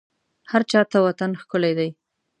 هرچا ته وطن ښکلی دی